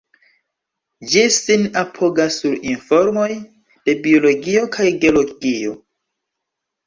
Ĝi sin apogas sur informoj de Biologio kaj de Geologio.